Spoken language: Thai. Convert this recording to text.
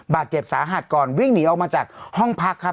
บาดเจ็บสาหัสก่อนวิ่งหนีออกมาจากห้องพักครับ